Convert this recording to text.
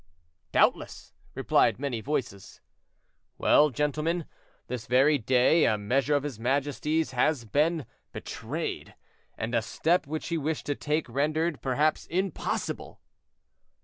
"Doubtless," replied many voices. "Well, gentlemen, this very day a measure of his majesty's has been betrayed, and a step which he wished to take rendered, perhaps, impossible."